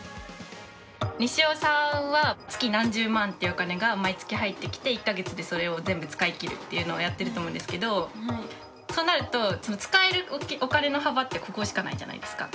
にしおさんは月何十万っていうお金が毎月入ってきて１か月でそれを全部使いきるっていうのをやってると思うんですけどそうなると使えるお金の幅ってここしかないじゃないですか。